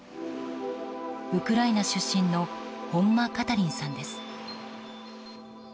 ウクライナ出身の本間カタリンさんです。